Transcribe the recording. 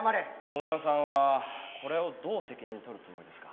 桃代さんはこれをどう責任取るつもりですか？